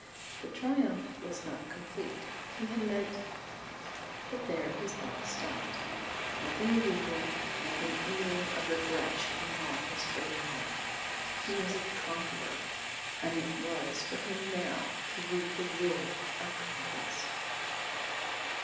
The triumph was not complete. He had meant But there his thought stopped. Nothing of evil, nothing even of regret should mar his great hour. He was a conqueror, and it was for him now to reap the joy of conquest.